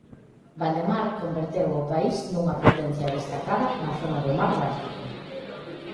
Valdemar converteu ao país nunha potencia destacada na zona do mar Báltico.